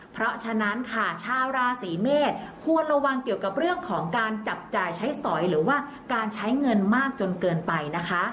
เพราะฉะนั้นค่ะชาวราศีเมษควรระวังเกี่ยวกับเรื่องของการจับจ่ายใช้สอยหรือว่าการใช้เงินมากจนเกินไปนะคะ